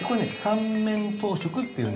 「三面頭飾」っていうんです。